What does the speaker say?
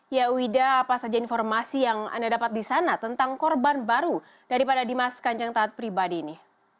ya wida apa saja informasi yang anda dapat di sana tentang korban baru daripada dimas kanjeng taat pribadi ini